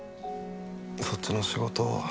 そっちの仕事